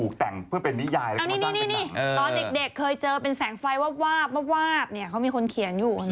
เคยเจอเป็นแสงไฟวาบเนี่ยเค้ามีคนเขียนอยู่